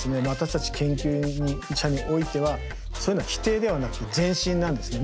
私たち研究者においてはそういうのは否定ではなくて前進なんですね。